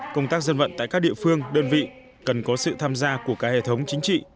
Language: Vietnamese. công tác dân vận tại các địa phương đơn vị cần có sự tham gia của cả hệ thống chính trị